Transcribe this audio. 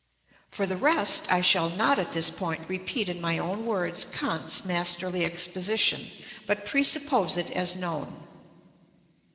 For the rest, I shall not at this point repeat in my own words Kant's masterly exposition, but presuppose it as known.